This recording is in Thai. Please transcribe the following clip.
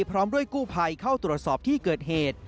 พร้อมด้วยกู้ภัยเข้าตรวจสอบที่เกิดเหตุ